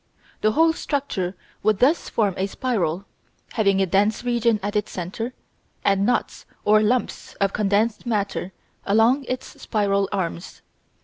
The whole structure would thus form a spiral, having a dense region at its centre and knots or lumps of condensed matter along its spiral arms.